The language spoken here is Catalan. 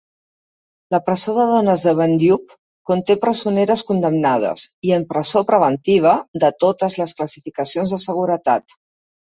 La presó de dones de Bandyup conté presoneres condemnades i en presó preventiva de totes les classificacions de seguretat.